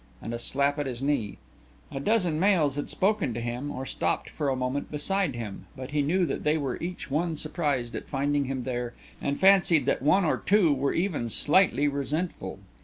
and a slap at his knee. A dozen males had spoken to him or stopped for a moment beside him, but he knew that they were each one surprised at finding him there and fancied that one or two were even slightly resentful.